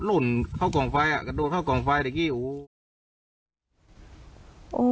หล่นเข้ากล่องไฟอ่ะกระโดดเข้ากล่องไฟแต่กี้โอ้โห